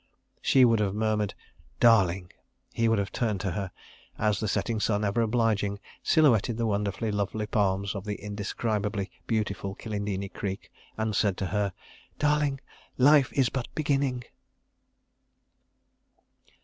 She would have murmured "Darling!" ... He would have turned to her, as the setting sun, ever obliging, silhouetted the wonderfully lovely palms of the indescribably beautiful Kilindini Creek, and said to her: "Darling, life is but beginning."